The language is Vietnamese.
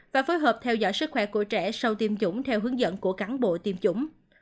và phối hợp theo dõi sức khỏe của trẻ sau tiêm chủng theo hướng dẫn của cán bộ tiêm chủng